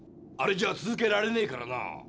あれじゃ続けられねえからな。